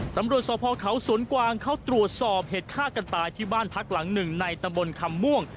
ตำรวจสอบพ่อเขาสวนกวางเข้าตรวจสอบเหตุฆ่ากันตายที่บ้านพักหลังหนึ่งในตำบลคำม่วง